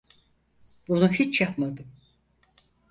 Bunu hiç yapmadım.